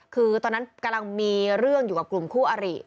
คือตอนนั้นกำลังมีเรื่องอยู่กับกลุ่มคู่อริ